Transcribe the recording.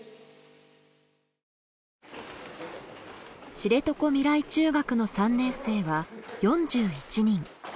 知床未来中学の３年生は４１人。